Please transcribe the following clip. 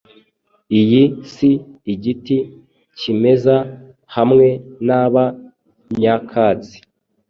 iyi si igiti cyimeza hamwe naba nyakatsi